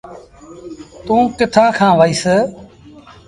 توٚݩ ڪٿآݩ کآݩ وهيٚس۔